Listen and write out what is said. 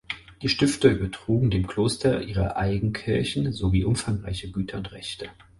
Die Stifter übertrugen dem Kloster ihre Eigenkirche sowie umfangreiche Güter und Rechte.